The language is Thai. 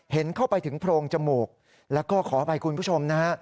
เห็นเข้าไปถึงโพรงจมูกแล้วก็ขออภัยคุณผู้ชมนะฮะ